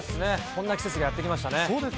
そんな季節がやって来ましたね。